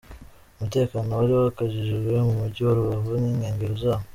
Umutekano wari wakajijwe mu mujyi wa Rubavu n'inkengero zawo.